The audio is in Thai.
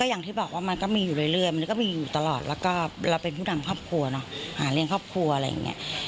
อย่างที่บอกว่ามันก็มีอยู่เรื่อยมันก็มีอยู่ตลอดแล้วก็เราเป็นผู้นำครอบครัวเนอะหาเลี้ยงครอบครัวอะไรอย่างนี้